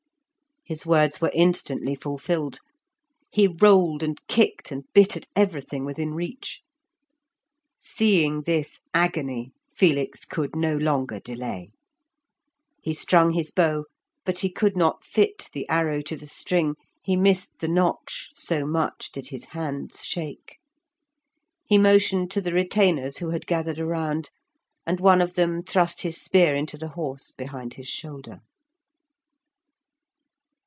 His words were instantly fulfilled; he rolled, and kicked, and bit at everything within reach. Seeing this agony, Felix could no longer delay. He strung his bow, but he could not fit the arrow to the string, he missed the notch, so much did his hands shake. He motioned to the retainers who had gathered around, and one of them thrust his spear into the horse behind his shoulder.